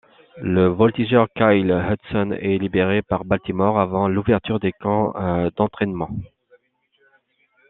Le voltigeur Kyle Hudson est libéré par Baltimore avant l'ouverture des camps d'entraînement.